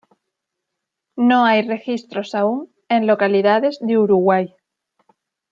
No hay registros aún en localidades de Uruguay.